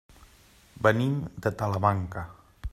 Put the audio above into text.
Venim de Talamanca.